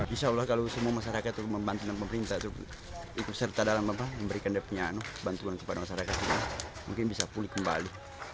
insya allah kalau semua masyarakat membantu dan pemerintah itu ikut serta dalam memberikan bantuan kepada masyarakat mungkin bisa pulih kembali